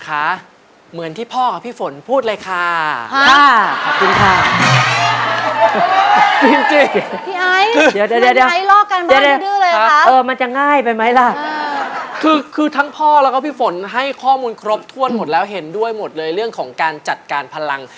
คือทั้งพ่อแล้วก็พี่ฝนให้ข้อมูลครบถ้วนหมดแล้วเห็นด้วยหมดเลยเรื่องของการจัดการพลัง